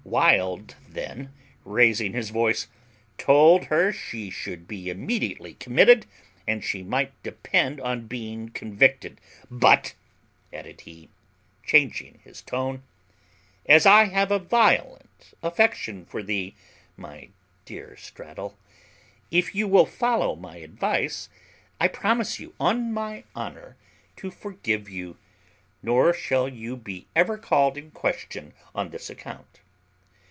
Wild then, raising his voice, told her she should be immediately committed, and she might depend on being convicted; "but," added he, changing his tone, "as I have a violent affection for thee, my dear Straddle, if you will follow my advice, I promise you, on my honour, to forgive you, nor shall you be ever called in question on this account."